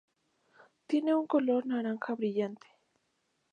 Tiene un color naranja brillante.